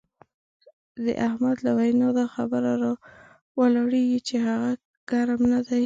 د احمد له وینا دا خبره را ولاړېږي چې هغه ګرم نه دی.